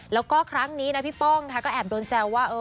แล้วก็ครั้งนี้นะพี่ป้องค่ะก็แอบโดนแซวว่า